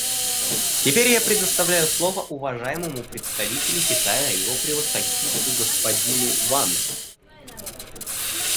Теперь я предоставляю слово уважаемому представителю Китая его превосходительству господину Ван.